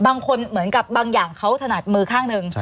บางคนเหมือนกับบางอย่างเขาถนัดมือข้างหนึ่ง